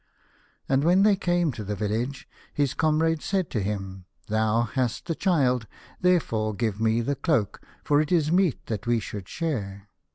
And when they came to the village, his comrade said to him, " Thou hast the child, therefore give me the cloak, for it is meet that we should share."